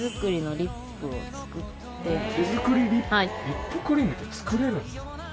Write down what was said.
リップクリームって作れるんですか？